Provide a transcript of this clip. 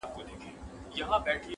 په کتو یې بې ساغره بې شرابو نشه کيږم,